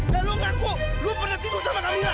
dan lo ngaku lo pernah tidur sama camilla